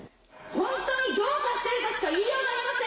本当にどうかしているとしか言いようがありません。